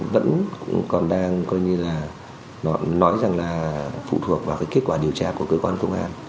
vẫn còn đang nói rằng là phụ thuộc vào kết quả điều tra của cơ quan công an